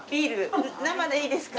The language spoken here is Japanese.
生でいいですか？